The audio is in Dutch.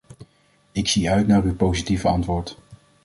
Ik zie uit naar uw positieve antwoord.